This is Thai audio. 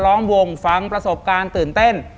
ล้อมวงฟังประสบการณ์ตื่นเต้น